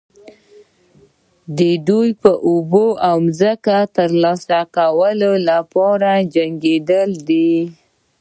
دوی به د اوبو او ځمکې د ترلاسه کولو لپاره جنګیدل.